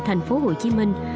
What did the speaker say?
thành phố hồ chí minh